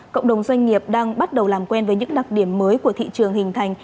cộng đồng doanh nghiệp đang bắt đầu làm quen với những đặc điểm mới của thị trường hình thành